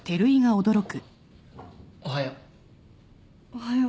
おはよう。